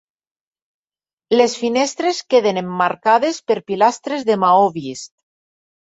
Les finestres queden emmarcades per pilastres de maó vist.